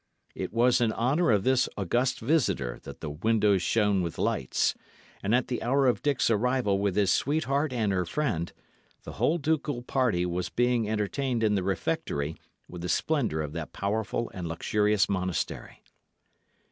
It was in honour of this august visitor that the windows shone with lights; and at the hour of Dick's arrival with his sweetheart and her friend, the whole ducal party was being entertained in the refectory with the splendour of that powerful and luxurious monastery.